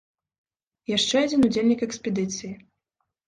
Яшчэ адзін удзельнік экспедыцыі.